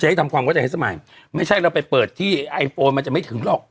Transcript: ให้ทำความเข้าใจให้สมัยไม่ใช่เราไปเปิดที่ไอโฟนมันจะไม่ถึงหรอก